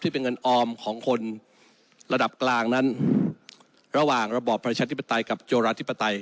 เป็นเงินออมของคนระดับกลางนั้นระหว่างระบอบประชาธิปไตยกับโจราธิปไตย